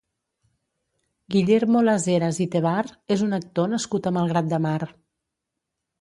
Guillermo Lasheras i Tebar és un actor nascut a Malgrat de Mar.